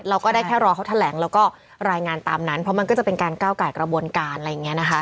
เราก็ได้แค่รอเขาแถลงแล้วก็รายงานตามนั้นเพราะมันก็จะเป็นการก้าวไก่กระบวนการอะไรอย่างนี้นะคะ